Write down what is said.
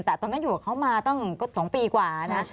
แต่ตอนนั้นอยู่กับเขามาตั้ง๒ปีกว่านะ